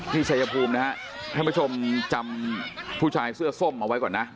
พี่ชัยภูมินะให้ประชมจำผู้ชายเสื้อส้มเอาไว้ก่อนนะ